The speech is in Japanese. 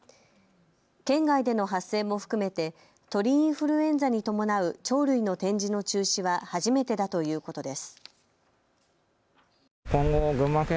県外での発生も含めて鳥インフルエンザに伴う鳥類の展示の中止は初めてだということです。